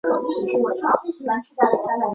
祖父陈启。